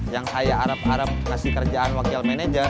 yang saya harap harap kasih kerjaan wakil manajer